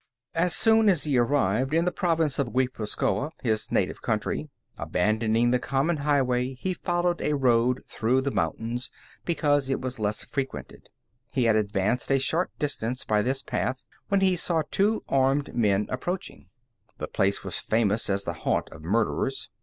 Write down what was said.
As soon as he arrived in the province of Guipuscoa, his native country, abandoning the common highway he followed a road through the mountains because it was less frequented. He had advanced a short distance by this path when he saw two armed men approaching. The place was famous as the haunt of murderers.